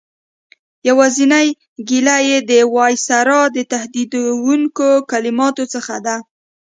یوازینۍ ګیله یې د وایسرا د تهدیدوونکو کلماتو څخه ده.